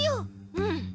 うん。